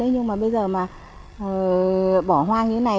nhưng mà bây giờ mà bỏ hoang như thế này